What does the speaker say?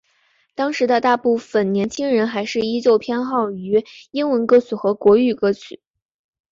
当时的大部份年轻人还是依旧偏好于英文歌曲和国语歌曲。